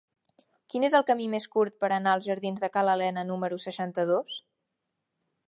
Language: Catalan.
Quin és el camí més curt per anar als jardins de Ca l'Alena número seixanta-dos?